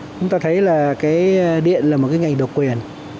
chúng ta thấy là cái điện là một cái ngành độc quyền